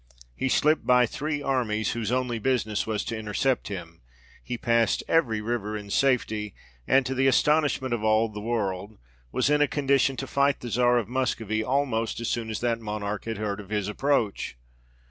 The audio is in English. He slipped by three armies, whose only business was to intercept him ; he passed every river in safety, and, to the astonishment of all the world, was in a condition to fight the Czar of Moscovy, almost as soon as that Monarch had heard of his approach.